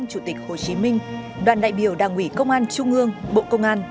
hồ chí minh đoàn đại biểu đảng ủy công an trung ương bộ công an